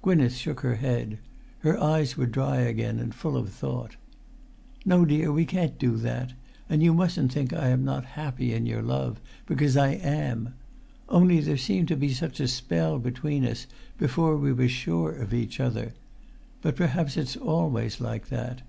Gwynneth shook her head. Her eyes were dry again and full of thought. "No, dear, we can't do that; and you mustn't think I am not happy in your love, because I am. Only, there seemed to be such a spell between us before we were sure of each other. But perhaps it's always like that."